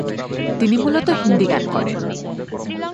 তিনি মূলত হিন্দি গান করেন।